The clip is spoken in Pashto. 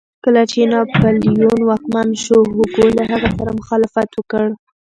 کله چې ناپلیون واکمن شو هوګو له هغه سره مخالفت وکړ.